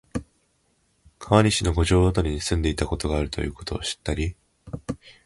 川西の五条あたりに住んでいたことがあるということを知ったり、